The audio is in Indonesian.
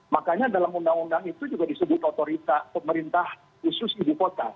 makanya dalam undang undang itu juga disebut otorita pemerintah khusus ibu kota